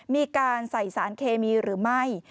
มีการใส่สารเคมีหรือไม่